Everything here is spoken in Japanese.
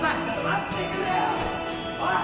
待ってくれよおい！